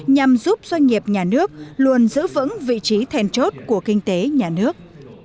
nhằm giúp doanh nghiệp nhà nước luôn giữ vững vị trí then chốt của kinh tế nhà nước